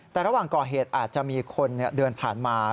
แต่ระหว่างก่อเหตุอาจจะมีคนเดินผ่านมา